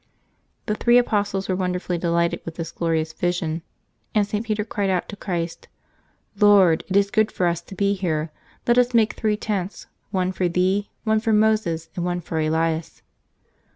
The three apostles were wonderfully de lighted with this glorious vision, and St. Peter cried out to Christ, " Lord, it is good for us to be here. Let us make three tents: one for Thee, one for Moses, and one for Elias.'